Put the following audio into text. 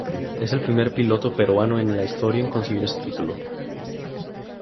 Es el primer piloto peruano en la historia en conseguir ese título.